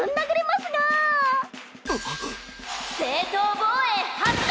正当防衛発動！